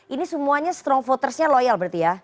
ini semuanya strong voters nya loyal berarti ya